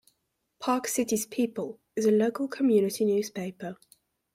"Park Cities People" is a local community newspaper.